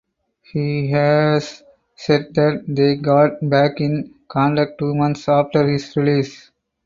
He has said that they got back in contact two months after his release.